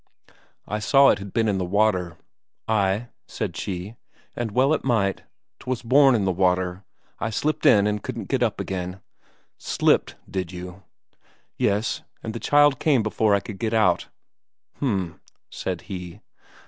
"I saw it had been in the water." "Ay," said she, "and well it might. 'Twas born in the water; I slipped in and couldn't get up again." "Slipped, did you?" "Yes, and the child came before I could get out." "H'm," said he.